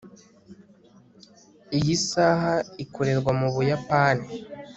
iyi ni isaha ikorerwa mu buyapani